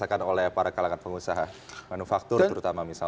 dirasakan oleh para kalangan pengusaha manufaktur terutama misalnya